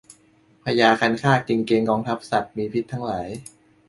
พญาคันคากจึงเกณฑ์กองทัพสัตว์มีพิษทั้งหลาย